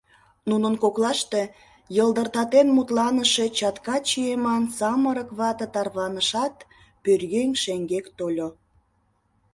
Нунын коклаште йылдыртатен мутланыше чатка чиеман самырык вате тарванышат, пӧръеҥ шеҥгек тольо.